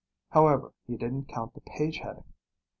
However, he didn't count the page heading.